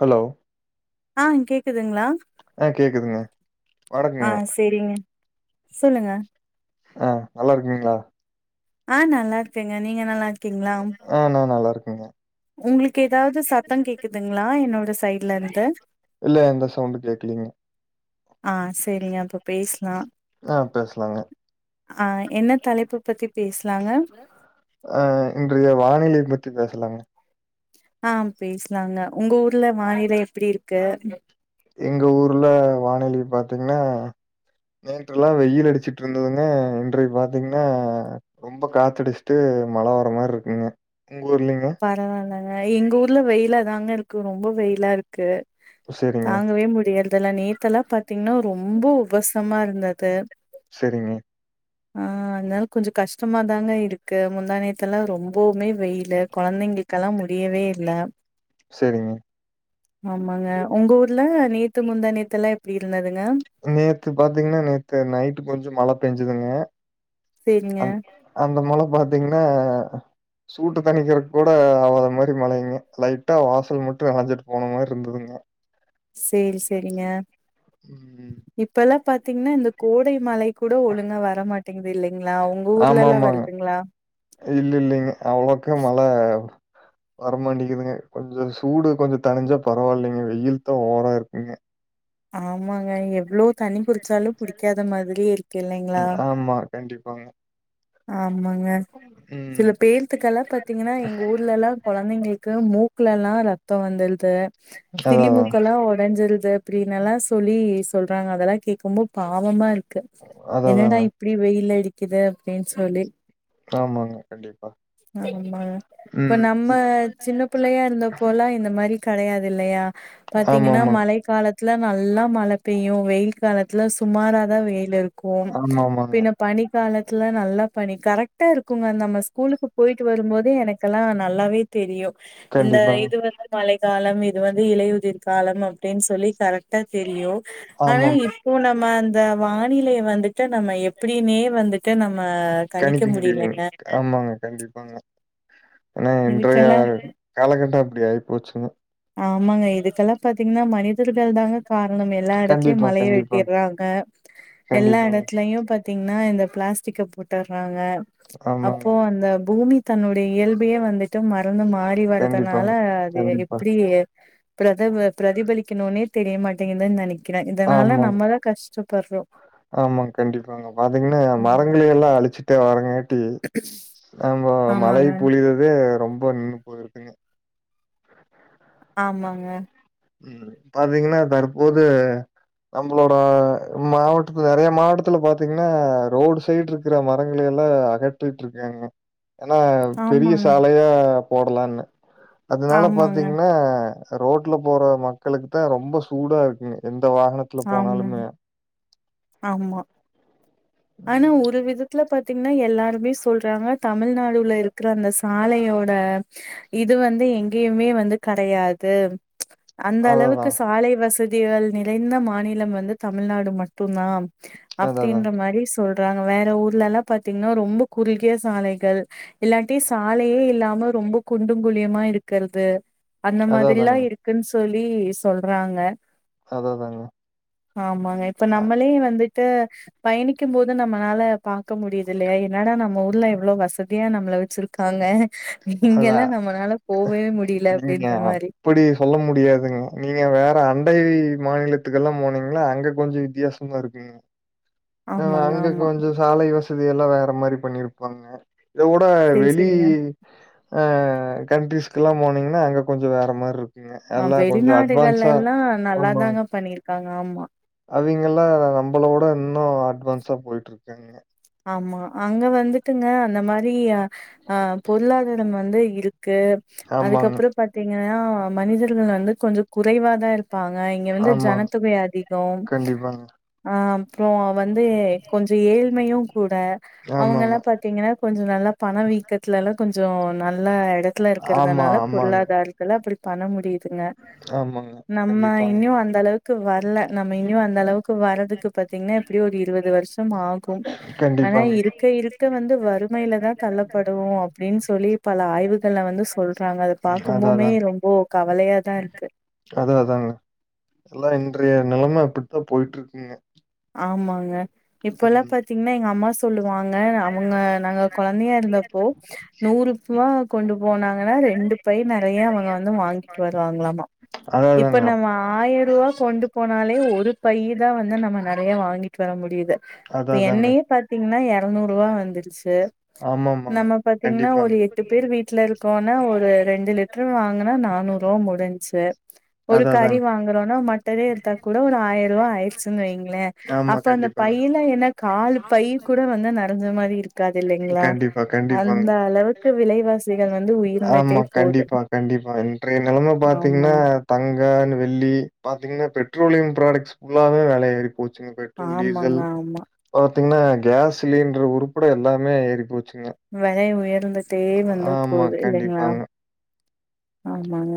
Hello அ கேக்குதுங்ளா அ கேக்குதுங்க ஆ வணக்கங்க சேரிங்க சொல்லுங்க அ நல்லா இருக்கீங்ளா அ நல்லா இருக்கேங்க நீங்க நல்லா இருக் அ நா நல்லா இருக்கங்க உங்ளுக்கே எதாவ்து சத்தோ கேக்குதுங்ளா என்னோட சைட்ல இருந்து இல்ல எந்த சவுண்டு கேக்கலீங்க அ செரிங்க அப்போ பேசலா அ பேசலாங்க அ என்ன தலைப்பு பத்தி பேசலாங்க த்தி பேசலாங்க அ பேசலாங்க உங்க ஊர்ல வானிலை எப்டி இருக்கு எங்க ஊர்ல வானிலை பாத்தீங்கன்னா நேற்றுல்லா வெயில் அடிச்சுட்டு இருந்ததுங்க இன்றைக்கு பாத்தீங்கன்னா ரொம்ப காத்தடிச்சுட்டு மழ வர மாரி இருக்குங்க உங்க ஊர்லிங்க பரவாயில்லங்க எங்க ஊர்ல வெயிலா தாங்க இருக்கு ரொம்ப வெயிலா இருக்கு செரிங்க தாங்கவே முடியரதில்லா நேத்தெல்லா பாத்தீங்கன்னா ரொம்ப உபசமா இருந்தது செரிங்க அ அதனால கொஞ்சோ கஷ்டமாதாங்க இருக்கு முந்தாணேத்தெல்லா ரொம்பவுமே வெயிலு கொழந்தைங்களுக்கெல்லா முடியவே இல்ல செரிங்க ஆமாங்க உங்க ஊர்ல நேத்து முந்தா நேத்துல்லா எப்டி இருந்ததுங்க நேத்து பாத்தீங்கன்னா நேத்து நைட்டு் கொஞ்சோ மழ பெஞ்சுதுங்க சரிங்க. அந் அந்த மழ பாத்தீங்கன்னா சூட்டு தணிக்கிறக் கூட அவாத மாரி மழையுங்க லைட்டா வாசல் மட்டு நெனஞ்சிட்டு போன மாரி இருந்த துங்க சேரி சேரிங்க ம் இப்பெல்லா பாத்தீங்கன்னா இந்த கோடை மழை கூட ஒழுங்கா வரமாட்டேங்குது இல்லிங்ளா உங்க ஊர்லல்லா வருதுங்ளா இல்லில்லிங்க அவ்ளக்கா மழ வரமாட்டேங்குதுங்க கொஞ்சோ சூடு கொஞ்சோ தனிஞ்சா பரவாயில்லிங்க வெயில்தா ஓவரா இருக்குதுங்க ஆமாங்க எவ்ளோ தண்ணி குடிச்சாலு குடிக்காத மாரியே இருக்கு இல்லிங்ளா ஆமா கண்டிப்பாங்க ஆமாங்க சில ம் பேர்த்துக்கெல்லா பாத்தீங்கன்னா எங்க ஊர்ல எல்லா கொழந்தைங்களுக்கு மூக் குல எல்லா ரெத்தோ வந்துருது அதா அதா சிலிமூக்குல்லா ஒடஞ்சிருது அப்படின்ல்லா சொல்லி சொல்றாங்க அதெல்லா கேட்கும்போது பாவமா இரு க்கு அதா என்னடா அதாங்க இப்டி வெயில் அடிக்குது அப்டின்னு சொல்லி ஆமாங்க கண்டிப்பா ஆமா இப்ப ம் நம்ம சின்ன புள்ளையா இருந்த போலா இந்த மாரி கெடையா தில்லையா ஆமா பாத்தீங்கன்னா ஆமாங்க மழை காலத் துல நல்லா மழ பெய்யு வெய்யி காலத்துல சுமாராதா வெய்யி இருக் கு ஆமா ஆமாங்க பின்ன பனிக்கால த்துல நல்லா பனி கரெக்டா இருக்குங்க நம்ம ஸ்கூலுக்கு போயிட்டு வரும்போதே எனக்கெல்லா நல்லாவே தெரியு இந்த கண்டிப்பாங்க இது வந்து மழைக்காலம் இ இது வந்து இலையுதிர் காலம் அப்டின்னு சொல்லி கரெக்டா தெரியு ஆனா ஆமா ஆமா இப்போ நம்ம அ இந்த வானிலைய வந்துட்டு நம்ம எப்டினே வந்துட்டு நம் கணிக்க முடியலிங் ஆமாங்க கண்டிப்பாங்க ஏன்னா இன்றைய இதுக்கெல்லாம் காலகட்டோ அப்டி ஆயி போச்சுங்க ஆமாங்க இதுக்கெல்லா பாத்தீங்கன்னா மனிதர்கள் தாங்க காரண எல்லா எடத்துலயு கண்டிப்பா மலைய கண்டிப்பா வெட்டிடுறாங்க எல்லா கண்டிப்பாங்க எடத்துலயையு பாத்தீங்கன்னா இந்த பிளாஸ்டிக்க போட்டுறாங்க ஆமாங்க அப்போ அந்த பூமி தன்னோட இயல்பையே வந்துட்டு மறந்து மாறி வர்றதுனால கண்டிப்பாங்க அது கண்டிப்பா எப்டி பிரதவ பிரதிபலிக்கணும்னே தெரியமாட்டேங்குதன்னு நெனைக்கிறே இதனால நம்மதா கஷ்டப்படுறோ ஆமா கண்டிப்பாங்க பாத்தீங்கன்னா ம். மரங்களயெல்லா அழச்சி ட்டே வரங்கட்டி நம்ப மழை ஆமாங்க. புழிதது ரொம் பண்ணு போயிருக்குங்க ஆமாங்க ம் பாத்தீங்கன்னா தற்போது நம்பளோட மாவட்டத்து நெறைய மாவட்டத்துல பாத்தீங்கன்னா ரோடு சைடு இருக்கிற மரங்கயெ ல்லா அகற்றிட்டு இருக்காங்க ஏன்னா பெரிய ஆமாங்க, சாலையா போடலாம்னு அதுனால ஆமாங்க, பாத்தீங்கன்னா அ ரோட்ல போற மக்களுக்குத்தா ரொம்ப சூடா இருக்குங்க எந்த வாகனத்துல ஆமாங்க, போனாலுமே ஆமா ஆனா ம். ஒரு விதத்துல பத் திங்கா எல்லாருமே சொல்றாங்க தமிழ்நாடுல இருக்கிற அந்த சாலையோட இது வந்து எங்கியுமே வந்து கெடையாது அந்த அதான், அளவுக்கு அதான். சாலை வசதிகள் நிறைந்த மாநில வந்து தமிழ்நாடு மட் டு தா அதான், அதான். அப்டின்ற மாரி சொல்றாங்க வேற ஊர்லயெல்லா பாத்தீங்கன்னா ரொம்ப குறுகிய சாலைகள் இல்லா டி சாலையே இல்லாம ரொம்ப குண்டுங்குழியமா இருக்கறது அந்த அதான், மாதரில்லா அதாங்க. இருக்குன்னு தோழி சொல்றாங்க அத தாங்க ஆமாங்க. இப்ப நம்பளே வந்துட் டு பயணிக்கு போது நம்பளால பாக்க முடியுது இல்லையா என்னடா நம்ம ஊர்ல எவ்ளோ வசதியா நம்ப ள வச்சிருக்காங்க அதுதா இங்கெல்லாம் நம்மனால போவே முடியல நீங்க அப்டின்ற மாரி. அப்டி சொல்ல முடியாதுங்க நீங்க வேற அண்டை மாநிலத்துக்கெல்லா போனீங்களா அங்க கொஞ்சோ வித்தியாசம இருக்குங்க ம் வ ஆமாங்க, அங்க ஆமா. கொஞ்சோ சாலைவச தியெல்லா வேற மாரி பண்ணிருப்பாங்க இதவுட சரி வெளி சரிங்க. அ கண்ட்ரிஸ்க்கலா போனிங்கன்னா அங்க கொஞ்சோ வேறு மாரி இருக்கு ஆ வெளிநாடுகள் எல்லா நல்லாதாங்க பண்ணிருக்காங்க ஆமா அவிங்கெல்லா நம்பளோட இன்னோ அட்வான்ஸா போயிட்டு இருக்காங்க ஆமா அங்க வந்துட்டுங்க அந்த மாரி அ பொருளாதார வந்து இருக்கு அதுக் ஆமாங்க. கப்றோ பாத்தீங்கன்னா மனிதர்கள் வந்து கொஞ்சோ குறைவா தா இரு ப்பாங்க இங்க வந்து ஆமாங்க. ஜனத்தொகை அதிகோ கண்டிப்பாங்க. ஆ அப்றோ வந்து கொஞ்சோ ஏழ்மையு கூட ஆமாங்க. அவுங்கெல்லா பாத்தீங்கன்னா கொஞ்சோ நல்லா பண வீக்கத்துலல்லா கொஞ்சோ நல்ல எடத்துல ஆமா, இருக்கறதுனால ஆமாங்க. பொருளாதாரத்து அப்படி பண்ண முடியுதுங்க ஆமாங்க. நம்ம கண்டிப்பாங்க. இன்னியு அந்த அளவுக்கு வர்ல நம்ம இன்னியு அந்த அளவுக்கு வர்றதுக்கு பாத்தீங்கன்னா எப்படியோ ஒரு இருபது வர்ஷோ ஆகும் ஆனா கண்டிப்பாங்க. இருக்க இருக்க வந்து வரும் வறுமையிலதா தள்ளப்படுவோ அப்டின்னு சொல்லி பல ஆய்வுகள்ல வந்து சொல்றாங்க அத ம். அதான், பாக்கும்போமே ரொம்போ கவலையாதா இருக்கு அதா அதாங்க எல்லா இன்றைய நெலம இப்டித்தா போயிட்ருக்குங்க ஆமாங்க இப்பல்லா ம். பாத்தீங்கன்னா எங்க அம்மா சொல்லுவாங்க அவுங்க நாங்க கொழந்தையா இருந்தப்போ நூ ரூப்புவா கொண்டு போனாங்கன்னா ரெண்டு பை நறையா அவுங்க வந்து வாங்கிட்டு வருவாங்களாமா அதான், இப்ப அதாங்க. அப் நம்ம ஆயிரவா கொண்டு போனாலே ஒரு பையுதா வந்து நம்ம நறையா வாங்கிட்டு வர முடியுது இப்ப அதான், அதாங்க. என்னையே பாத்தீங்கன்னா தொண்ணூறுபா வந்துடுச்சு ஆமாமாங்க. நம்ம பாத்தீங்கன்னா ஒரு கண்டிப்பாங்க. எட்டு பேர் வீட்ல இருக்கோனா ஒரு ரெண்டு லிட்ரு வாங்கனா நானூறுவா முடிஞ்சு ச்சு ஒரு அதான், கறி அதாங்க. வாங்குறோனா மட்டனே எடுத்தா கூட ஒரு ஆயிரபா ஆயிடுச்சுன்னு வெய்ங்களே ஆமா, அப்ப அந்த கண்டிப்பாங்க. பையில என்ன கால் பை கூட வந்து நறஞ்ச மாரி இருக் காது இல்லைங்களா கண்டிப்பா, கண்டிப்பாங்க. அந்த அளவுக்கு விலைவாசிகள் வந்து உயர்ந்துட்டே போது இப்ப அன்றய நெலம பாத்தீங்கன்னா ஆமாங் தங்க வெள்ளி பாத்தீங்கன்னா பெட் பெட்ரோலியம் ப்ராடக்ட்ஸ் ஃபுல்லாவே வெல ஏறி போச்சுங்க பெட்ரோல் டீசல் ஆமாங்க ஆமா பாத்தீங்கன்னா கேஸ் சிலிண்ட்ரு உறுப்பட எல்லாமே ஏறி போச்சு வெலை உயர்ந்துட்டே வந்து ஆமா போது இல்லைங்களா கண்டிப்பாங்க ஆமாங்க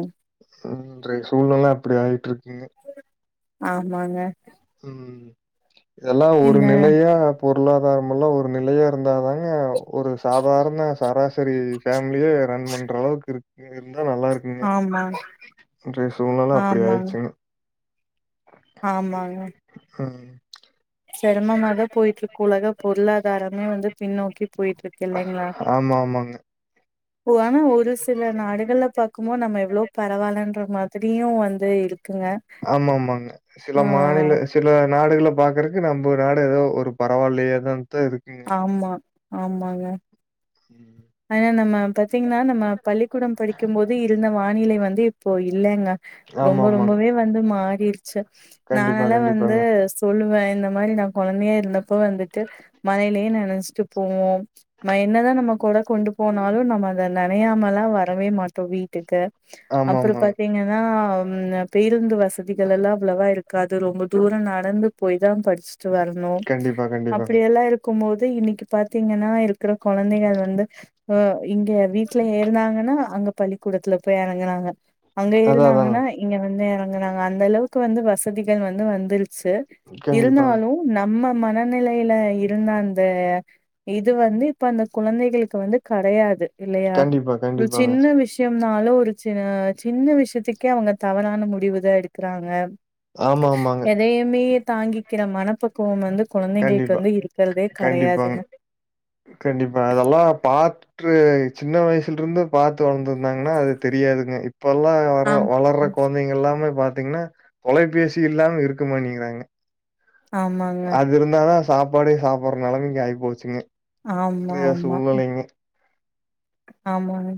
இன்றைய சூழ்நெல அப்டி ஆயிட்டுருக்குங்க ஆமாங்க உம் இதெல்லா ஒரு இந்த நிலையா பொருளாதாரோமுல்லா ஒரு நிலையா இருந்தாதாங்க ஒரு சாதாரண சராசரி ஃபேமிலியே ரன் பண்ற அளவுக்கு இருக்குங்க இர்ந் அங்க நல்லா இருக்குங்க ஆமா இன்றைய சூழ்நெல அப்புடி ஆமாங் ஆயிடுச்சுங்க ஆமாங்க ம் செரமமாதா போயிட்டு இருக்கு உலக பொருளாதாரமே வந்து பின்னோக் போயிட்ருக்கு இல்லைங்களா ஆமா, ஆமாங்க. ஓ ஆனா ஒரு சில நாடுகள்ல பாக்கும்போது நம்ம எவ்வளவோ பரவாலன்ற மாதிரியு வந்து இருக்கு இங்க ஆமாமாங்க. சில மாநில சில நாடுகள பாக்குறக்கு நம்ம நாட ஏதோ ஒரு பரவாயில்லையாதா இருக்குங்க ஆமா ஆமாங்க ம். அதயா நம்ம பாத்தீங்ன்னா நம்ம பள்ளிக்கூடம் படிக்கும் போது இருந்த வானிலை வந்து இப்போ இல்லைங்க ரொம்ப ஆமாமாங்க. ரொம்பவே வந்து மாறிடுச்சு கண்டிப்பா, நானல்லா வந்து கண்டிப்பாங்க. சொல்லுவே இந்த மாரி நா கொழந்தையா இருந்தப்போ வந்துட்டு மழையிலயே நனஞ்சிட்டு போவோ ம என்னதா நம்ம கொட கொண்டு போனாலு நம்ம அத நனையாமலா வரவே மாட்டோ வீட்டுக்கு அப்புறோ ஆமாமாங்க. பாத்தீங்கன்னா அம் பேருந்து வசதிகளெல்லா அவ்வளவா இருக்காது ரொம்ப தூரோ நடந்து போய்தா படிச் சு வர்ணோ கண்டிப்பா, கண்டிப்பாங்க. அப்டியெல்லா இருக்கும் போது இன்னிக்கு பாத்தீங்கன்னா இருக்குற கொழந்தைங்க வந்து அ இங்க வீட்ல ஏற்னாங்கன்னா அங்க பள்ளிக்கூடத்துல போய் எறங்குறாங்க அங்க அதான் அதாங்க. ஏற்னாங்கன்னா இங்க வந்து எறங்குறாங்க அந்த அளவுக்கு வந்து வசதிகள் வந்து வந்துருச் சு கண்டிப்பாங்க. இருந்தாலு நம் ம மனநெலையில இருந்த அந்த இது வந்து இப்ப அந்த குழந்தை களுக்கு வந்து கடையாது இல்லையா கண்டிப்பா, ஒரு கண்டிப்பாங்க. சின்ன விஷ்யோ னாலு ஒரு சின் சின்ன விஷ்யத்துக்கே அவுங்க தவறான முடிவுதா எடுக்குறாங்க ஆமா ஆமாங்க எதையுமே தாங்கிக்கிற மனப்பக் குவோ வந்து கொழந்தைங்களுக்கு கண்டிப்பா, வந்து இருக்குறதே கண்டிப்பாங்க. கெடையாதுங்க பாற்று சின்ன வயசுல்ட்ருந்து பாத்து வள்ந்திந்தாங்கன்னா அது தெரியாதுங்க இப்பெல்லா வர ஆமாங்க வளர்ற குழந்தைங்கெல்லாமே பாத் தீங்ன்னா தொலைபேசி இல்லாம இருக்கமாட்டிங்கிறாங்க ஆமாங்க சாப்பாடே சாப்புற் நெலமைக்கு ஆய் போச்சுங்க ஆமா இன்றைய ஆமா சூழ்நிலைங்க ஆமாங்க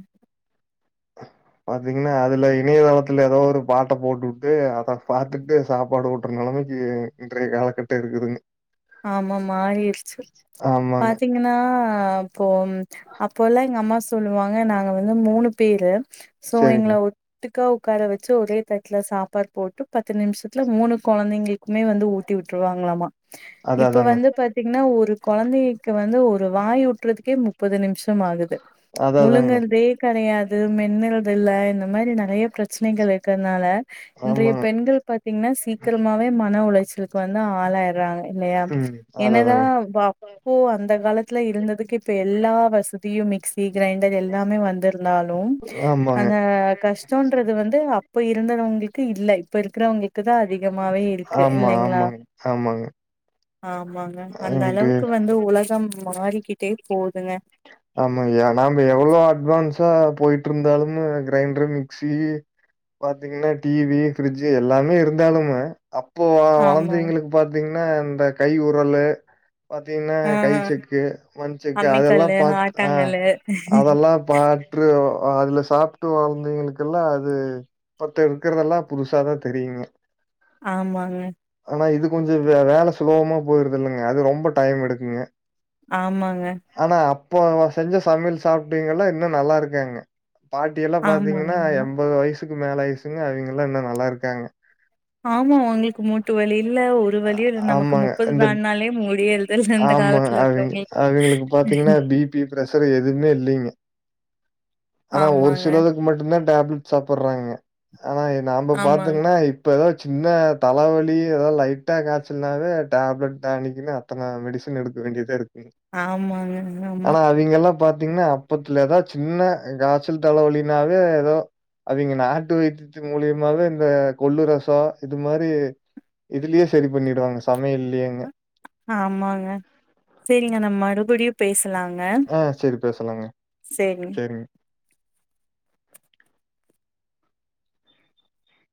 பாத்தீங்கன்னா அதுல இணையதளத்துல எதோ ஒரு பாட்ட போட்டு வுட்டு அத பாத்துட்டு சாப்பாடு ஊட்டுற நெலமைக்கு இன்றைய காலகட்ட இருக்குதுங்க ஆமா ஆமா ஆயிரிச்சு ஆமாங்க பாத்தீங்கன்னா அப்போ ம் அப்போல்லா எங்க அம்மா சொல்லுவாங்க நாங்க வந்து மூணு பேரு சோ எங்கள சரிங்க ஒத்துக் கா உக்கார வெச்சு ஒரே தட்ல சாப்பாடு போட்டு பத்து நிம்ஷத்துல மூணு கொழந்தைங்ளுக்மே வந்து ஊட்டி விட் றவாங்களாமா அத இப்போ அதாங்க வந்து பாத்தீங்ன்னா ஒரு கொழந்தைக்கு வந்து ஒரு வாய் ஊட்றதுக்கே முப்பது நிம்ஷம் ஆகுது அத அதாங்க முழுங்கற்தே கெடையா து மென்னுறதில்ல இந்த மாரி நெறைய ப்ரெச்சனைகள் இருக்கிறனால இன்றைய ஆமாங்க பெண்கள் பாத்தீங்ன்னா சீக்கிரமாவே மன உளைச்சலுக்கு வந்து ஆளாய்றாங்க இல்லையா ம் அத என்னதா அதாங்க த அப்போ அந்த காலத்ல இருந்ததுக்கு இப்ப எல்லா வசதியுமே இதுல இந்தது எல்லாமே வந்திருந்தாலு ஆமாங்க அந்த கஷ்டோன்றது வந்து இப்ப இருந்தவங்ளுக்கு இல்ல இப்ப இருக்கிறவங்களுக்கு தா அதி கமாவே இருக்கு ஆமா இல்லைங்ளா ஆமாங்க ஆமாங்க ஆமாங்க இன்றைய அந்தளவுக்கு வந்து உலகம் மாறிக்கிட்டே போ ஆமா எ நாம்ப எவ்வளோ அட்வான்ஸா போய்ட்ருந்தாலுமு க்ரைண்ட்ரு மிக்சி பாத்தீங்கன்னா டிவி ஃப்ரிஜ்ஜு எல்லாமே இருந்தாலுமே அப்போ ஆமா. வளந்தீவிங்களுக்கு பாத்தீங்ன்னா இந்த கை உரலு பாத்தீங்ன்னா ஆ கை செக்கு மண் செக்கு அதெல்லா அம்மிக்கல்லு, பாத் அ ஆட்டாங்கல்லு. அதெல்லா பாற்று அதுல சாப்ட்டு வளந்தவிங்களுக்கெல்லா அது பாத்த இருக்கிறதெல்லா புதுசாதா தெரியுங்க ஆமாங்க ஆனா இது கொஞ்சு வே வேல சுலபமா போய்றுது இல்லைங்க அது ரொம்ப டைம் எடுக்குங்க ஆமாங்க இப்போ அவுங்க செஞ்ச சம்யல் சாப்ட்டீங்கெல்லா இன்னு நல்லா இருக்காங்க பாட்டியெல்லா பாத்தீங்கின்னா ஆமாங்க. எம்பது வய்சுக்கு மேல ஆய்சுங்க அவிங்கெல்லா இன்னு நல்லா இருக்காங்க ஆமா அவ்ங்ளுக்கு மூட்டு வலி இல்ல ஒரு வலியு இ நமக்கு ஆமாங்க முப்பது இந்த தாண்ட்னாலே முடியறதுல்ல இந்த காலத்துல இருக்கிறவங்களுக்கு பாத்தீங்ன்னா பிபி ப்ரஸரு எதுவ்மே இல்லீங்க ஆனா ஒரு ஆமாங்க, சிலதுக்கு மட்டுந்தா டேப்லெட் சாப்பிற்றாங்க ஆனா நாம்ப ஆமாங்க, பாத்தீங்ன்னா இப்ப எதாவ்து சின்ன தலவலி எதாவ் லை ட்டா காச்சல்னாவே டேப்லட் டானிக்கினு அத்தன மெடிசன் எடுக்க வேண்டியதா இருக் ஆமாங்க ஆமா பாத்தீங்ன்னா அப்பத்துல எதாத் சின்ன காச்சல் தலவலினாவே எதோ அவிங்க நாட்டு வைத்தித்தின் மூலியமாவே இந்த கொள்ளு ரசோ இது மாரி இதுலயே செரி பண்ணிடுவாங்க சமையலியேங்க ஆமாங்க செரிங்க நம் மறுபடியு பேஸ் ஆ செரி பேசலாங்க சரிங்க. செரிங்க